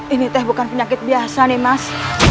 ini teh bukan penyakit biasa nih mas